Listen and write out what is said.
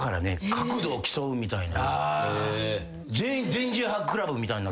角度を競うみたいな。